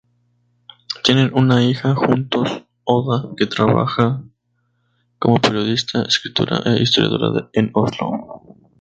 Tienen una hija juntos, Oda, que trabaja como periodista, escritora e historiadora en Oslo.